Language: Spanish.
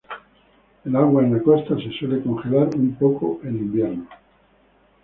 El agua en la costa se suele congelar un poco en invierno.